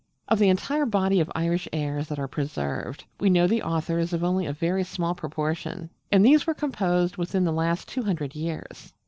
Of the entire body of Irish airs that are preserved, we know the authors of only a very small proportion; and these were composed within the last two hundred years.